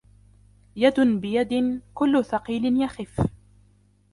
يد بيد كل ثقيل يخف.